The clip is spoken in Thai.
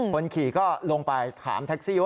คนขี่ก็ลงไปถามแท็กซี่ว่า